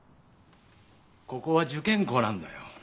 ここは受験校なんだよ。